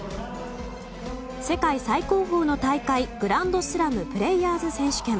世界最高峰の大会グランドスラムプレイヤーズ選手権。